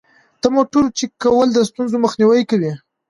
د موټرو چک کول د ستونزو مخنیوی کوي.